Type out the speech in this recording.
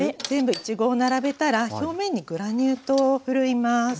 全部いちごを並べたら表面にグラニュー糖をふるいます。